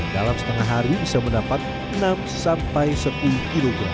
dalam setengah hari bisa mendapat enam sampai sepuluh kilogram